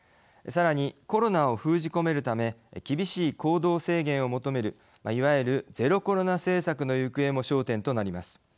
さらに、コロナを封じ込めるため厳しい行動制限を求めるいわゆるゼロコロナ政策の行方も焦点となります。